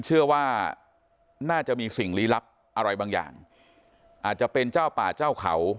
เชื่อว่าน่าจะมีสิ่งลี้ลับอะไรบางอย่างอาจจะเป็นเจ้าป่าเจ้าเขา